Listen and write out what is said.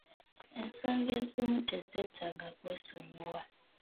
Ensonga ezimu tezeetaaga kwesonyiwa.